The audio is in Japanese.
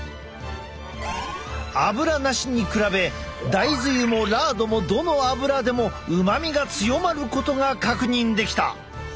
アブラなしに比べ大豆油もラードもどのアブラでも旨味が強まることが確認できた。